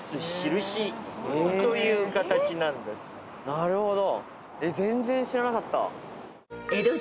なるほど。